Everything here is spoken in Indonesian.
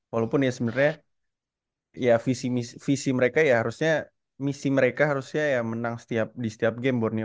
walaupun ya sebenarnya ya visi mereka ya harusnya misi mereka harusnya ya menang di setiap game borneo